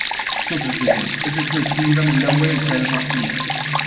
Sur President, irrid nirtira mill-ewwel il-kelma " qligħ ".